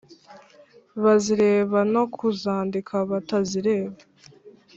bazireba no kuzandika batazireba;